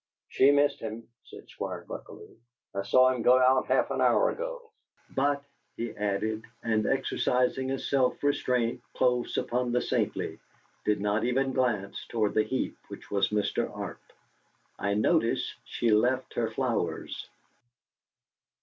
"She missed him," said Squire Buckalew. "I saw him go out half an hour ago. BUT," he added, and, exercising a self restraint close upon the saintly, did not even glance toward the heap which was Mr. Arp, "I notice she left her flowers!"